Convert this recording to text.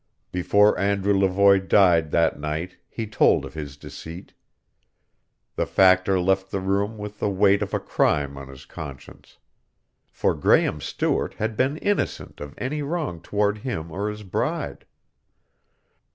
Before Andrew Levoy died that night he told of his deceit. The Factor left the room with the weight of a crime on his conscience. For Graehme Stewart had been innocent of any wrong toward him or his bride.